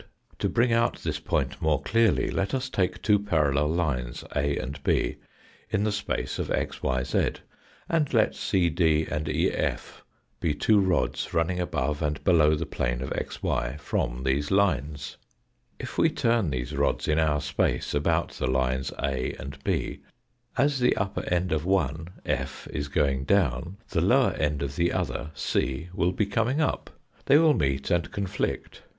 To bring out this point more clearly let us take two parallel lines, A and B, in the space of xyz, and let CD and EF be two rods running If we 8 * Fig. 42. above a.n4 below the plane pf xy, from these lines. THE HIGHER WORLD 7] turn these rods in our space about the lines A and B, as the upper end of one, F, is going down, the lower end of the other, c, will be coming up. They will meet and conflict.